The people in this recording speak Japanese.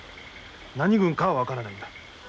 何郡かは分からないんだ。